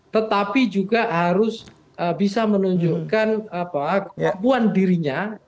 tetapi juga harus bisa menunjukkan kemampuan dirinya